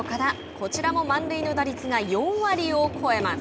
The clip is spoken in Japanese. こちらも満塁の打率が４割を超えます。